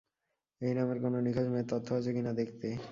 এই নামের কোনো নিখোঁজ মেয়ের তথ্য আছে কি না দেখতে।